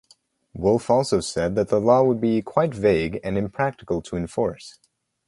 Woulfe also said that the law would be "quite vague" and impractical to enforce.